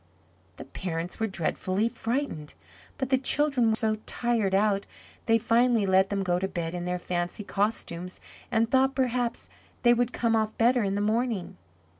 The parents were dreadfully frightened. But the children were so tired out they finally let them go to bed in their fancy costumes and thought perhaps they would come off better in the morning.